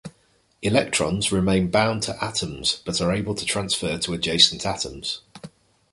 Electrons remain bound to atoms but are able to transfer to adjacent atoms.